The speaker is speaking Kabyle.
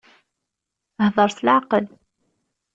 Hḍeṛ s leɛqel.